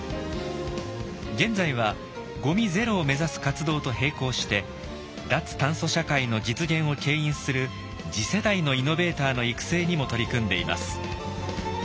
現在はゴミゼロを目指す活動と並行して脱炭素社会の実現をけん引する次世代のイノベーターの育成にも取り組んでいます。